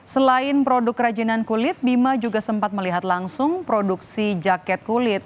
selain produk kerajinan kulit bima juga sempat melihat langsung produksi jaket kulit